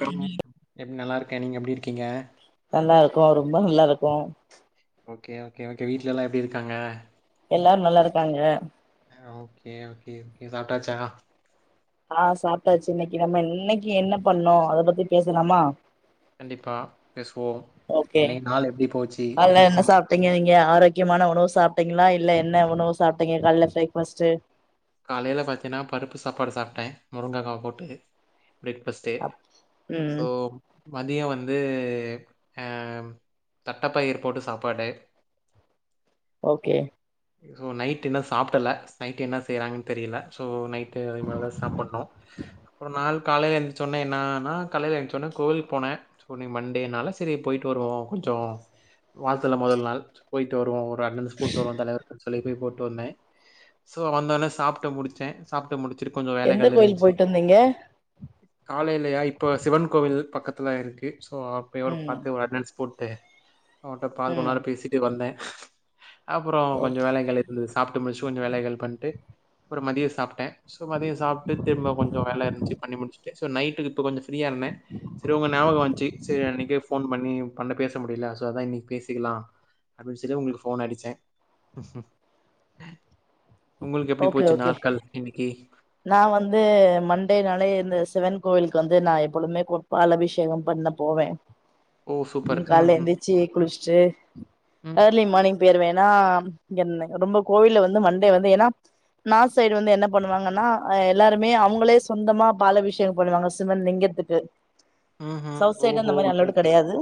கருமோ எப்டி நல்லாருக்கேன் நீங்க எப்டி இருக்கீங்க இருக் ஓகே ஓகே ஓகே வீட்ட எல்லா எப்டி இருக்காங்க எல்லாரு நல்லா இருக்காங்க ஓகே ஓகே நீங்க சாப்ட்டாச்சா ஆ சாப்ட்டாச்சு இன்னக்கி நம்ம இன்னக்கி என்ன பண்ணோ அத பத்தி பேசுலாமா கண்டிப்பா பேசுவோ ஓகே இன்னை நாள் எப்டி போச்சி ஆரோக்யமான உணவு சாப்ட்டீங்ளா இல்ல என்ன உணவு சாப்ட்டீங்க கால்ல ஃப்ரேக்பஸ்டு காலைல பாத்தீனா பருப்பு சாப்பாடு சாப்ட்டே முருங்கக்கா போட்டு ப்ரேக்பஸ்டே அப் ம் சோ மதியொ வந்து அ தட்டப்பயிர் போட்டு சாப்பாடு ஓகே நைட் இன்ன சாப்டல நைட் என்ன செய்றாங்கன் தெரியில சோ நைட் [unintelligible] தா சாப்புட்னு அப்றொ நாள் காலையில் எழுந்துச் ஒன்னே என்னனா கலைல எஞ்ச்சொனே கோவில் போனே சோ நீ மண்டேனால செரி பொய்ட்டு வருவோ கொஞ் சோ வால்த்துல மொதல் நாள் போய்ட்டு வர்வோ ஒர் பே அட்னன்ஸ் போட்டு வரோ தலைவர்க்கு சொல்லி போய் போட்டு வந்தே சோ வந்தோன சாப்ட்டு முடுச்சேன் சாப் முடிச்சிரு கொஞ்ச எந்த வேலைகள் கோயில் இருந்சி போயிட்டு வந்தீங்க காலைலயா இப்போ சிவன் கோவில் பக்கத்துல இருக்கு சோ அப்பயவர் ம் பாத்து ஒர் அட்னன்ஸ் போட் அவுட்ட பாது ம் கொன்னார பேசிட்டு வந்தைன் அப்புறொ கொஞ்சு ஓகே வேலைகள் இருந்து சாப்ட்டு முடுஷ்சு வொஞ்ச வேலைகள் பண்ட்டு அப்புற மதிய சாப்ட்டை சோ மதிய சாப்ட்டு தெம்ப கொஞ்சொ வேல இருந்சு பண்ணி முடுச்டு சோ நைட்டுகு இப்ப கொஞ்ச ஃப்ரியா இருந்தேன் சிரி ஒங்க ஞவக வன்ச்சி செரி அன்னிக்கே ஃபோன் மண்ணி பண்ண பேச முடிய்ல சோ அதா இன்னிக் பேசிக்கிலா அப்பின் செல்ய ஒங்ளுக்கு ஃபோன் அடிச்ச உங்குளுக்கு எப்டி ஓகே போச்சு ஓகே நார்க்கள் இன்னிக்கி நா வந்து மண்டேனாலே இந்த சிவன் கோயிலுக்கு வந்து நா எப்பொலுதுமே கோ பால் அபிஷேகம் பண்ண போவே ஓ! சூப்பர். கால்ல ம்ஹ்ம். எந்துச்சு குளுஷ்டு ம். அர்லி மானிங் பேரு வேன் நா என்ன ரொம்ப கோயில்ல வந்து மண்டே வந்து ஏனா நா சைடு வந்து என்ன பண்ணுவாங்க நா அ எல்லாருமே அவுங்களே சொந்தமா பால் அபிஷேக பண்ணுவாங்க சிவன் லிங்கத்துக்கு ம்ஹ்ம். சவ் சேடு அந்த ஓஹோ! மாரி ஓகே, அல்லோடு ஓகே. கடயாது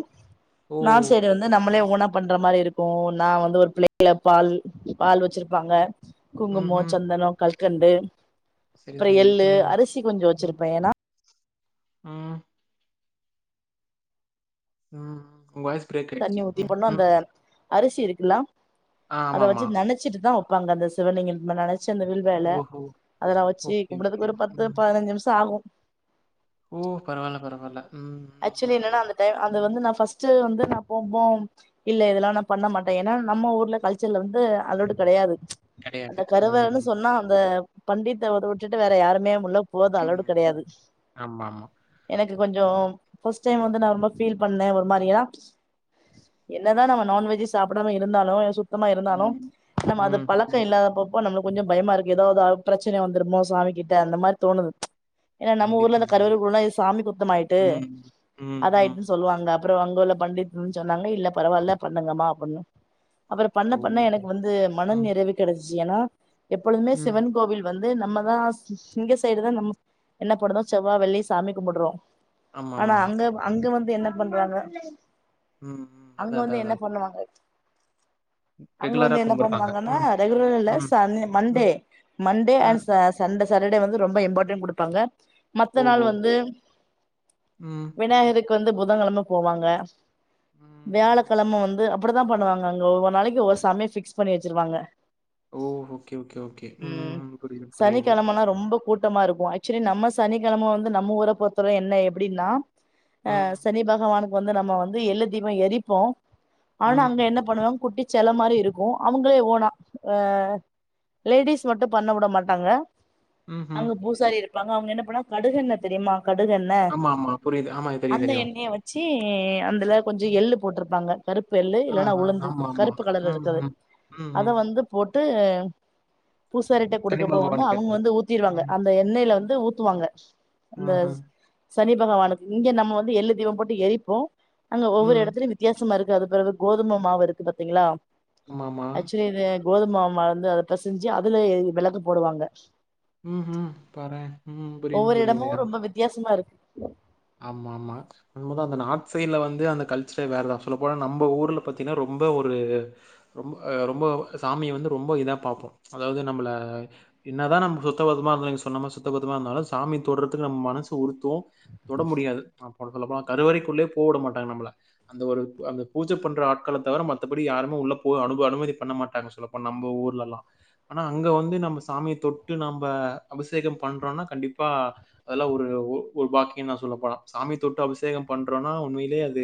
ஓ! நான் சேடு வந்து நம்மளே ஓனா பண்ற மாரி இருக் நா வந்து ஒரு [inaudible] பால் பால் வச்சிருப்பாங்க குங்குமோ ம்ஹ்ம். சந்தனோ கல் கண்டு சரி, ப்ற சரி. எள்ளு ம். அருசி கொஞ்சொ ம். வச்சிருப்பே ஏனா ம் உங் வாய்ஸ் ப்ரேக் ஆயிட்ச்சி அ ருசி இருக்குல்லா அத வச்சு நனச்சிட்டுதா வொப்பாங்க அந்த சிவலிங்கில் மேலால செந்த வில்வ எல ஓஹோ! அதலா வச்சு ஓகே, ஓகே. கும்புடதுக்கு ஒரு பத்து ம். பத்னஞ்சு நிம்ச ஆகு ஓ பரவால்ல பரவால்ல ம் ம் ஆக்சுவலி ம் என்னன்னா அந்த டைம் வந்து நா ஃபஸ்டு வந்து நா [unintelligible] இல்ல இதெலா நா பண்ண மாட்ட ஏன்னா நம்ம ஊர்ல கல்ச்சல்ல வந்து அலோடு கடயாது கிடையாது. அந்த கருவேரன்னு ம், சொன்னா அந்த பண்டித் அவர உட்டுட்டு வேற யாருமே முள்ள போது அலோடு ம், ம். கடையாது ஆமாமா. எனக் கொஞ்சொ ஃபஸ்டைம் வந்து நா ரொம்ப ஃபீல் பண்ணே ஒரு மாரியா என்னதா நம்ம நான்வெஜ்ஜி சாப்புடாம இருந்தாலு ய சு சுத்தமா இருந்தாலு ம், நம்ம அத ம், பழக்க ம். இல்லாதப்ப அப்போ நம்மளுக் கொஞ்ச பயமா இருக்கு ஏதாவது ஆ பிரச்சனயா வந்துருமோ சாமி கிட்ட அந்த மாரி தோணுது ப்ச் ஏன்னா நம்ம ஊர்ல கண்டிப்பா, அந்த கருவாடு கண்டிப்பா. கூடுனா எது சாமி குத்தமாயிட்டு ம், ம், ம். அதயிட்டுன் சொல்லுவாங்க அப்றோ அங்க உள்ள பண்டித்துன் சொன்னாங்க இல்ல பரவால்ல பண்ணுங்கமா அப்ன்னு அப்றபண்ண பண்ண ஓஹோ! எனக்கு வந்து மன ம், நிறைவு கெடச்சு ஏனா எப்பொழுதுமே ம். சிவன் கோவில் வந்த் து நம்மதா இங்க சைடு தா நம்ம எண்ண போடுறோ செவ்வா வெள்ளி சாமி கும்புட்றோ ஆனா ஆமாமா. அங்க அங்க வந்து என்ன பண்றாங்க ம், ம். அங்க அதான், அதான், வந்து என்ன அதான். பண்ணுவாங்க அங்க ரெகுலரா வந்து என்ன கும்பிடுறாங்க. பண்ணுவாங்கனா ம், ரெகுலர் இல்ல ம், சனி ம். Monday Monday ah. அண்ட் ச சண்டு சட்டர்டே வந்து ரொம்ப இம்பார்டன் குடுப்பாங்க மத்த நாள் ஓஹோ! வந்து ம், விநாயருக் வந்து புதகெழம போவாங்க ம், ம். வியாழக்கெழம வந்து அப் அப்டிதா பன்னுவாங்க அங்க ஒவ்வொரு நாளைக்கு ஒவ்வொரு சாமிய ஃபிக்ஸ் பண்ணி வெச்சிருவாங்க ஓ! Okay, okay, okay. ம் புரியுது, புரியுது. சனிக்கெழமனா ரொம்போ கூட்டமாருக்கு ஆக்ச் திரி நம்ம சனிக்கெழம வந்து நம்ம ஊர பொறுத்தர என்ன எப்டினா ஆ ம், சனி பகவானுக் வந்து நம்ம வந்து எள்ளு தீபோ எரிப்போ ஆனா ம். அங்க என்ன பண்ணுவாங் குட்டி செல மாரி இருக்கு அவுங்களே ஓனா அ லேடிஸ் மட்டு பண்ண வுட மாட்டாங்க ம்ஹ்ம். அங்க பூசாரி இருப்பாங்க அவுங்க என்ன பண்ணா கடுகு எண்ணெ தெரியுமா கடுகு எண்ணெ ஆமா, ஆமா. புரியுது. ஆமா, தெரியும், அந்த தெரியும். எண்ணெய வச்சு அந்துல கொஞ்சி ம். எள்ளு போட்ருப்பாங்க கருப்பு எள்ளு ஆ, இல்லன்னா ஆ. உளுந்து ஆமா, ஆமா. கருப்பு கலர் இருக்கற ம்ஹ்ம். ம்ஹ்ம். அத வந்து போட் டு பூசாரிட்ட சனி கொடுக்கப் போவோந்தா பகவானுக்கு அவுங்க ஏத்தாப்ல. வந்து ஊத்திருவாங்க அந்த எண்ணெயில வந் து ஊத்துவாங்க அந்த ஆஹா சனி பகவானுக்கு இங்க நம்ம வந்து எள்ளு தீபோ போட்டு எரிப்போ அங்க ஒவ்வொரு ம். எடத்துலயு வித்யாசமா இரு க அது பெறவு கோதும மாவு இருக்கு பாத்தீங்ளா ஆமா ஆமா கோதும் மாவு வந்து அத பெசஞ்சி அதுலயே விளக்கு போடுவாங்க ம் ம் பாரே ம் புரியுது ஒவ்வொரு எடமு புரியுது ரொம்ப வித்தியாசமா இருக்கு ஆமாமா உண்ம தா அந்த நார்த் சைட்ல வந்து அந்த கல்ச்ரே வேறதா சொல்ல போல நம்ப ஊர்ல பாத்தீனா ரொம் ரொம்ப ஒரு ரொம் ஆ ரொம்ப சாமிய வந்து ரொம்ப இதா பாப்போ அதாவது நம்மள என்னதா நம்ம சுத்த பத்தமா இருந்தங்க சொன்னாம சுத்த பத்தமா இருந்தாலு சாமி தொட்றதுக்கு நம் மனசு உருத்து தொட முடியாது ஒரு தலபா கருவறைக்குள்ளே போவுட மாட்டாங்க நம்மல அந்த ஒரு அந்த பூஜ பண்ற ஆட்கள தவர மத்தபடி யாருமே உள்ள போ அனுப அனுமதி பண்ண மாட்டாங்க சொல்லப்போன் நம்போ ஊர்லெல்லா ஆனா அங்க வந்து நம்ம சாமிய தொட்டு நம் நம்ப அபிஷேகம் பண்றோனா கண்டிப்பா அதெல்லா ஒரு ஒ ஒர் பாக் கிய தா சொல்ல போனா சாமி தொட்டு அபிஷேக பண்றோனா உண்மையிலே அது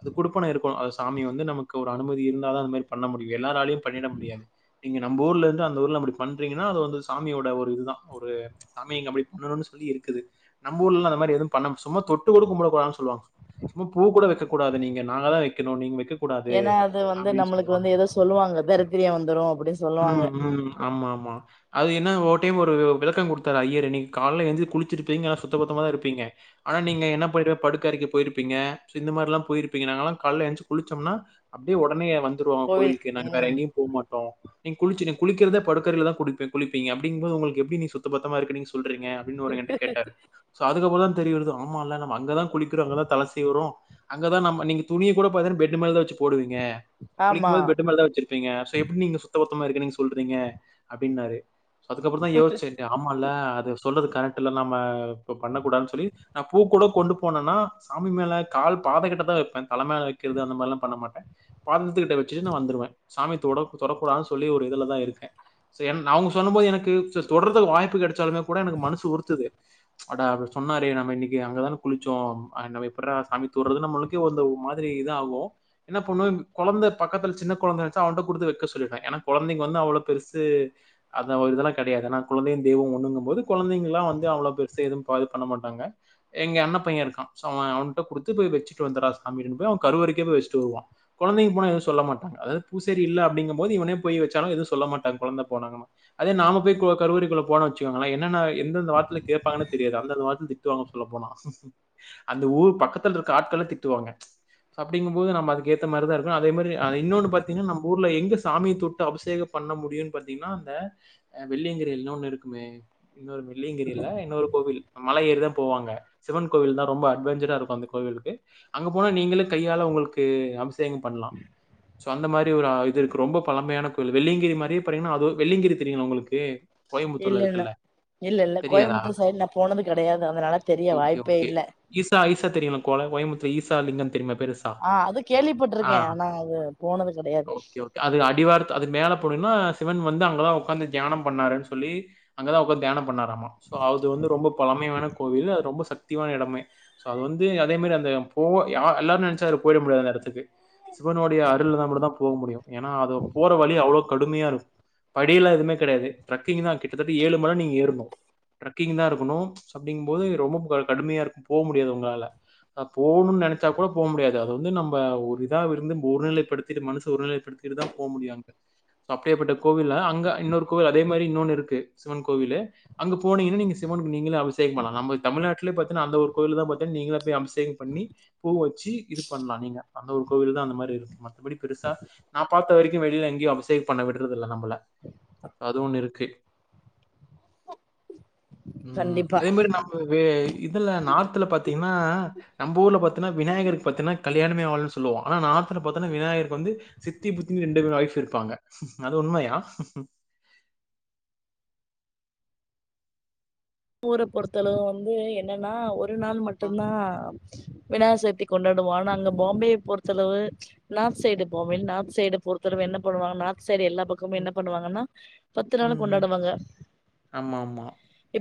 அது குடுப்பன இருக்கு அது சாமி வந்து நமக் க்கு ஒரு அனுமதி இருந்தாதா அந்த மாரி பண்ண முடியு எல்லாராலயு பண்ணிட முடியாது நீங்க நம்பூர்லந்து அந்த ஊர்ல அப்டி பண்றீங்கனா ஆனா அது வந்து சாமியோட ஒரு இதுதா ஒரு சாமிங்க அப்டி பண்ணணு சொல்லி இருக்குது நம்ம ஊர்லெல்லா அந்த மாரி எதும் பன்னம் சும்மா தொட்டு கூட கும்புடக்கூடாதுன் சொல்வாங்க சும்மா பூ கூட வெக்கக் கூடாது நீங்க நாங்க தா வெக்கினு நீங்க வெக்க கூடாது ஏன்னா அது வந்து அப்டின் நம்மளுக்கு சொல்லுவாங்க வந்து ஏதோ சொல்லுவாங்க தரித்திரியம் வந்துரு அப்டின்னு சொல்லுவாங்க ம் ம் ஆமாமா அது என்ன ஓர் டெய்ம் ஒரு விளக்க குடுத்தாரு ஐயரு நீங்க கால்ல ஏஞ்சி குளிச்சிருப்பீங்க சுத்த பத்தமா தா இருப்பீங்க ஆனா நீங்க என்ன படு படுக்க அரைக்கு போயிருப்பீங்க இந்த மாரிலா போயிருப்பீங்க நாங்கலா கால்ல எஞ்ச் குளிச்சோம்னா அப்டியே ஒடனே வந்துருவோ கோவிலுக்கு கோய்லுக்கு நாங்க வேற ம் எங்கியு போ மாட்டோ நீங் குளிச்சி நீ குளிக்கிறதே படுக்கறையில தா குடிப்பே குளிப்பீங்க அப்டீங்போது ஒங்களுக்கு எப்டி நீ சுத்த பத்தமா இருக்கனீ சொல் டுருவீங்க அப்டின் ஒரு என்ட கேட்டாரு சோ அதுக்குக்கூட தெரியுறது ஆமால்ல நம்ம அங்கதா குளிக்குறோ அங்கதா தல சீவுறோ அங்கதா நம்ம நீங்க துணிய கூட பாதினா பெட் மேலதா வச்சு போடுவீங் ங்க குளிக்கு ஆமா போது பெட்டு மேலதா வச்சிருப்பீங்க சோ எப்டி நீங்க சுத்த பத்த சும்மா இருக்க நீங்க சொல்றீங்க அப்டின்னாரு அதுக்கப்ற தா யோச்சிட்டே ஆம்மா இல்ல அது சொல்றது கரெட்டில்ல நம்ம இப்ப பண்ணக்கூடாதுன் சொல்லி நா பூ கூட கொண்டு போனேன்னா சாமி மேல கால் பாத கிட்ட தா வைப்பே தல மேல வைக்கிறது அந்த மாதிரில்லா பண்ண மாட்டே பாதத்துக்கிட்ட வச்சுட்டு நா வந்துருவே சாமி தொட தொடக்கூடாதுன்னு சொல்லி ஒரு இதுலதா இருக்கே சேரின்னு அவங்க சொல்லும் போது எனக்கு செ தொடர்து வாய்ப்பு கெடச்சாலுமே கூட எனக்கு மனசு உறுத்துது அதா அவரு சொன்னாரே நம்ம இன்னைக்கு அங்கதான குளிச்சோ அ நம்ம எப்படிடா சாமி தொட்ர்றது நம்மளுக்கே வந்து ஒ மாதிரி இது ஆகு என்ன பொண்ணு கொழந்த பக்கத்துல சின்ன கொழந்த இருந்ச்சா அவன்ட கொடுத்து வைக்க சொல்லிடே ஏன்னா கொழந்தைங்க வந்து அவ்வளோ பெருசு அந்த ஒரு இதெல்லா கெடையாது எனா கொழந்தைையு தெய்வ ஒண்ணுங்கும் போது கொழந்தைங்கலா வந்து அவ்ளோ பெருசு எதுவு பாது பண்ண மாட்டாங்க எங்க அண்ண பைய இருக்கா சோ அவ அவன்ட்ட கொடுத்து போய் வெச்சுட்டு வந்துறா சாமிட்டன்னு போய் அவ கருவரைக்கு போய் வெச்ட்டு வருவா கொழந்தைங்க போனா எதுவு சொல்ல மாட்டாங்க அதாவது பூசாரி இல்ல அப்டிங்கும் போது இவனே போய் வெச்சாலு எதுவு சொல்ல மாட்டாங்க கொழந்த போனா எல்லா அதே நாம போய் கோ கருவரைக்குள்ள போனா வெச்சுக்கோங்களே என்னன்னா எந்த எந்த வார்த்தைல கேப்பாங்கன்னே தெரியாது அந்த வார்த்த திட் டுவாங்க சொல்ல போனா அந்த ஊர் பக்கத்துல இருக்க ஆட்கள்லே திட்டுவாங்க அப்டிங்கும்போது நம்ம அதுக்கேத்த மாரிதா இருக்குனு அதே மாரி அ இன்னொன்னு பாத் தீங்க நம்ம ஊர்ல எங்க சாமிய தொட்டு அபிசேக பண்ண முடியுன் பாத்தீங்கனா ஆ அ வெள்ளியங்கிரில் இன்னொன்னு இருக்கு மே இன்னொரு வெள்ளயங்கிரில்ல இன்னொரு கோவில் மல ஏறிதா போவாங்க சிவன் கோவில் தா ரொம்ப அட்வெஞ்சரா இருக்கு அந்த கோவிலுக்கு அங்க போன நீங்களே கையால உங்களுக்கு அபிசேக பண்லா சோ அந்த மாரி ஒரு ஆ இது இருக்கு ரொம்ப பழமையான கோயில் வெள்ளியங்கிரி மாரியே பாத்தீங்கன்னா அது வெள்ளியங்கிரி தெரியுள உங்களுக்கு இல்ல கோயம்புத்தூர்ல இல்ல இருக்குல்ல. இல்ல இல்ல தெரியாதா? கோயம்புத்தூர் சைடு நா போனது கெடையா ஓகே ஓகே ஈசா ஈசா தெரியுல கோல கோயம்புத்தூ ஈசா லிங்க தெரியுமா பெருசா ஆ அது ஆ கேள்விப்பட்டிருக்கே ஆனா அது போனது கெடையாது ஓகே ஓகே அது அடிவாரத்து அது மேல போனீங்கன்னா சிவன் வந்து அங்கதா உக்காந்து தியானம் பண்ணாருன்னு சொல்லி அங்கதா உக்காந்து தியானம் பண்ணாறாமா சோ அது வந்து ரொம்போ பழமையான கோவில் அது ரொம்ப சக்தியான எடமே சோ அது வந்து அதே மாரி அந்த போ யா எல்லாரு நெனச்ச போயிட முடியாதுங்க அதுக்கு சிவனுடைய அருள் இருந்தா மட்டுதா போ முடியு ஏன்னா அது போற வழி அவ்வளோ கடுமையா இரு படியெல்லா எதுமே கெடையாது ட்ரக்கிங் தா கிட்டத்தட்ட ஏழு மல நீங்க ஏற்ணு ட்ரக்கிங் தா இருக்கணு அப்டிங்கும் போது ரொம்போ க கடுமையா இருக்கும் போ முடியாது உங்களால அ போணுனு நெனச்சா கூட போ முடியாது அது வந்து நம்ப ஒரு இதாவ் இருந்து ஒருநிலைப்படுத்திட்டு மனசு ஒரு நிலைப்படுத் திட்டு தா போ முடியு அங்க அப்டியேப்பட்ட கோவில அங்க இன்னொரு கோவில் அதே மாரி இன்னொன்னு இருக்கு சிவன் கோவிலு அங்க போனீங்கன்னா நீங்க சிவ ன்க்கு நீங்களே அபிஷேகம் பண்ணலா நம்ம தமிழ்நாட் டுலே பாத்தின்னா அந்த ஒரு கோயில் தா பாத்திங்க நீங்க போய் அபிஷேகம் பண்ணி பூ வெச்சு இது பண்லா நீங்க அந்த ஒரு கோவில் தா அந்த மாரி இருக்கு மத்தபடி பெருசா நா பாத்த வரைக்கு வெளியில எங்கேயு அபிசேக பண்ண விடுறது இல்ல நம்பள அது ஒண்ணு இருக்கு ம் கண்டிப்பா அதே மாரி நம்ம வே இதுல நார்த்ல பாத்தீங்கன்னா நம்ப ஊர்ல பாத்திங்கன்னா விநாயகருக்கு பாத்தீன்னா கல்யாணமே ஆகலனு சொல்லுவோ ஆனா நார்த்துல பாத்தனா விநாயகர் வந்து சித்தி புத்தி ரெண்டு மூனு ஒய்ஃப் இருப்பாங்க அது உண்மையா ஊரு பொறுத்தளவு வந்து என்னன்னா ஒரு நாள் மட்டுதா வினாயகர் சதுதி கொண்டாடுவோ ஆனா அங்க பாம்பே பொறுத்தளவு நார்த் சைடு போவே நார்த் சைடு பொ ருத்தளவு என்ன பண்ணுவாங்க நா சரி எல்லா பக்கமு ம் ம் என்ன பண்ணுவாங்கன்னா பத்து நாள் ம். ம். கொண்டாடுவாங்க ஆமா ஆமா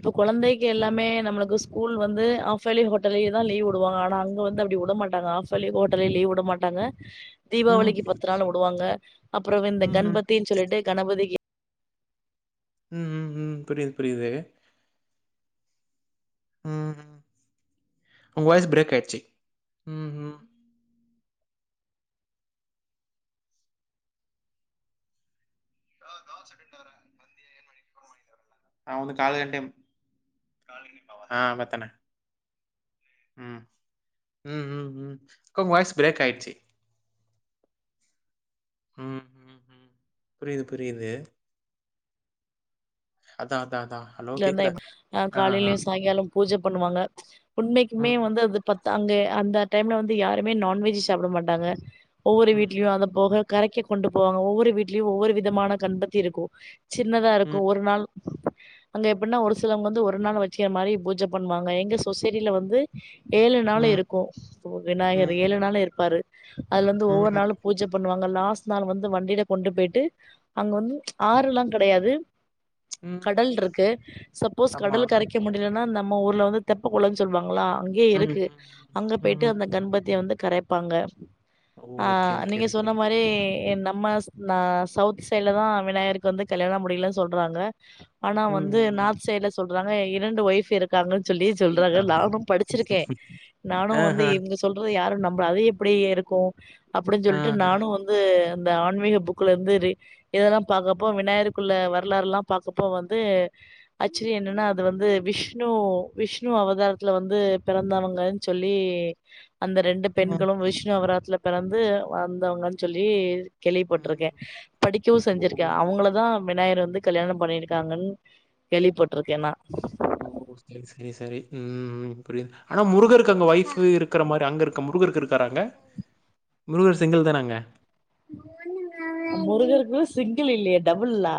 இப்ப கொழந்தைக்கு எல்லாமே நம்மளுக்கு ஸ்கூல் வந்து ஆஃப் இயர்லி குவார்ட்டர்லி தா லீவ் விடுவாங்க ஆனா அங்க வந்து அப்டி வுட மாட்டாங்க ஆஃப் இயர்லி குவார்ட்டர்லி லீவ் விட மாட்டாங்க ம் தீபாவளிக்கு பத்து நாள் வுடுவாங்க அப்புறோ இந்த ம் ம் கண்பத்தின்னு சொல்லிட்டு கணபதிக்கு ம் ம் ம் புரியுது புரியுது ம் ம் உங்க வாய்ஸ் பிரேக் ஆய்ச்சி ம் ம் ஆ [unintelligible] எட்துன் வரே வந்தி ஆ அது காலைல எ டைம் ஆ பாத்தேனே ம் ம் ம் ம் அக்கா உங்க வாய்ஸ் பிரேக் ஆயிடுச்சு ம் ம் ம் புரியுது புரியுது அதா [unintelligible] ஆ காலையிலயு சாயங்கால பூஜ பண்ணுவாங்க உண்மைக்குமே ம், வந்து அது பத் அங்க அந்த டைம்ல வந்து யாருமே நான்வெஜ் சாப்ட மாட்டாங்க ஒவ்வொரு ம், வீட்லயையு அதப் போக கரைக்க கொண்டு போவாங்க ஒவ்வொரு வீட்லயு ஒவ்வொரு விதமான கண்பத்தி இருக்கு சின்னதா இருக்கு ம், ஒரு நாள் அங்க எப்டின்னா ஒரு சிலவங்க வந்து ஒரு நாள் வெச்சக்கிற மாதிரி பூஜ பண்ணுவாங்க எங்க சொசைட்டில வந்து ஏழு நாளு ம், இருக்கு விநாயகர் ம், ஏழு ம், நாளு இருப்பாரு அது வந்து ம், ஒவ்வொரு ம், நாளு பூஜ பண் வாங்க லாஸ்இட் நாள் வந்து வண்டில கொண்டு போயிட்டு அங்க வந்து ஆறுல்லா கெடையாது ம். கடல் இருக்கு சப்போஸ் ஆமா. கடல் கரைக்க முடிய இல்ல நம்ம ஊர்ல வந்து தெப்ப குளம்ன்னு சொல்லுவாங்களா அங்கயே ம், இருக்கு ம், அங்க ம், போயிட்டு ம். அந்த கண்பதிய வந்து கரைப்பாங்க ஓ, அ ஓகே, ஓகே, நீங்க ஓகே. சொன்ன மாரி நம்ம ஸ் நா சவுத் சைட்ல தா விநாயகருக்கு வந்து கல்யாணம் முடியலன்னு சொல்றாங்க ஆனா ம், வந்து ம், ம். நார்த் சைடுல சொல்றாங்க இரண்டு ஒயஃப் இருக்காங்கள் சொல்லி சொல்றாங்க இருக்காங்க. நானும் படிச்சிருக்கே நானும் வந்து ஆஹா, இவங்க சொல்றது யாரும் நம் அது எப்டி இருக்கு அப்டின்னு சொல்லிட்டு ஆஹா. நானும் வந்து இந்த ஆன்மீக புக்குல இருந்து இதெல்லா பாக்ரப்போ விநாயகர்க்குள்ள வரலாறு எல்லா பாக்கப்போ வந்து அக்சுலி என்னன்னா அது வந்து விஷ்ணு விஷ்ணு அவதாரத்துல வந்து பிறந்தவங்கன்னு சொல் ல்லி அந்த ரெண்டு ம், பெண்களும் விஷ்ணு அவராத்துல பெறந்து வந்தவங்கன்னு சொல்லி ம். கேள்விப்பட்டிருக்கே படிக்கவு ஓ, செஞ்சிருக்கே அவங்கள தா விநாயகர் வந்து கல்யாணம் பண்ணியிருக்காங்கன்னு கேள்வி பட்டிருக்கே நா ஓ செரி செரி செரி ம் புரியுது ஆனா முருகருக்கு அங்க ஒயஃப் இருக்கிற மாரி அங்க இருக் முருகருக்கு இருக்காராங்க முருகர் சிங்கிள் தானா அங்க முருகருக்கு சிங்கிள் இல்லியே டபுள்ல்லா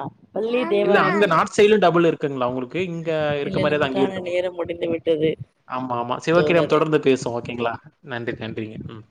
இல்ல அங்க நார்த் சைடலும் டபுள் இருக்குங்களா உங்களுக்கு இங்க இருக்க இல்லை மாரியே தா அங்கேய நமக்கான இருக்க முரு நேரம் முடிந்து விட்டது ஆமா ஆமா சிவகிராம் தோழரே. தொடர்ந்து பேசோம் ஓகேங்களா நன்றி நன்றிங்க ம்